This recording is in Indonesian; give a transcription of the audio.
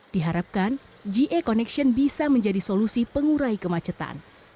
diharapkan ja connection bisa menjadi solusi pengurai kemacetan